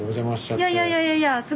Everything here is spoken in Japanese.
いやいやいやいやいや。